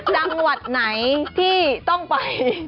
จังหวัดไหนที่ต้องไป